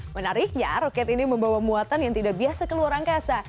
menariknya roket ini membawa muatan yang tidak biasa keluar angkasa